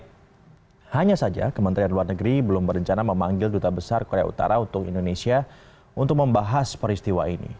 tapi hanya saja kementerian luar negeri belum berencana memanggil duta besar korea utara untuk indonesia untuk membahas peristiwa ini